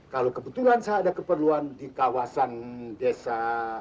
kalau kebetulan saya ada keperluan di kawasan desa